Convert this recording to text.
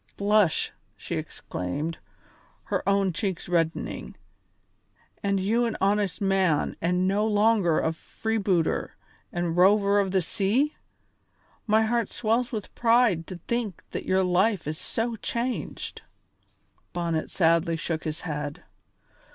"Blush!" she exclaimed, her own cheeks reddening, "and you an honest man and no longer a freebooter and rover of the sea? My heart swells with pride to think that your life is so changed." Bonnet sadly shook his head.